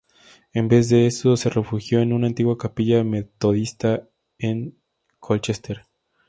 En vez de eso, se refugió en una antigua capilla metodista en Colchester.